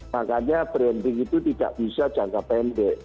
makanya branding itu tidak bisa jangka pendek